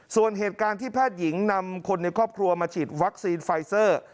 ส่วนเหตุการณ์ที่แพทย์หญิงนำคนในครอบครัวมาฉีดวัคซีนไฟเซอร์